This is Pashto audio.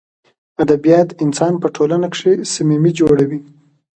ادبیات انسان په ټولنه کښي صمیمي جوړوي.